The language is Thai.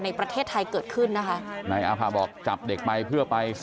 ค่อยค่อยค่อยค่อยค่อยค่อยค่อยค่อยค่อยค่อย